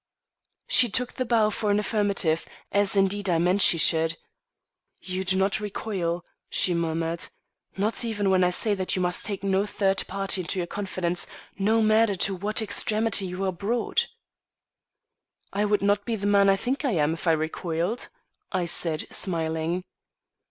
She took the bow for an affirmative, as indeed I meant she should. "You do not recoil," she murmured, "not even when I say that you must take no third party into your confidence, no matter to what extremity you are brought." "I would not be the man I think I am, if I recoiled," I said, smiling.